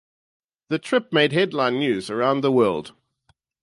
The trip made headline news around the world.